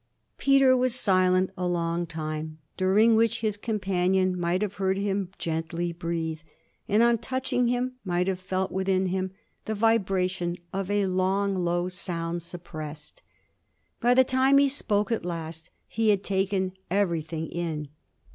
Peter was silent a long time; during which his companion might have heard him gently breathe, and on touching him might have felt within him the vibration of a long low sound suppressed. By the time he spoke at last he had taken everything in.